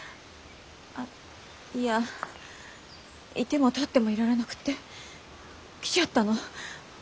あっいやいてもたってもいられなくって来ちゃったの。